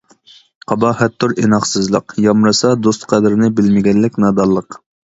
قاباھەتتۇر ئىناقسىزلىق، يامرىسا، دوست قەدرىنى بىلمىگەنلىك نادانلىق.